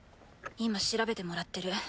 今調べてもらってる。